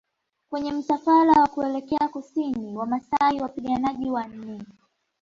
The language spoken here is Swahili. Kwenye msafara wa kuelekea Kusini Wamasai Wapiganaji wanne